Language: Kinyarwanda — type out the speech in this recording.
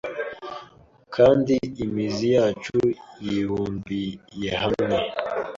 Kandi imizi yacu yibumbiyehamwe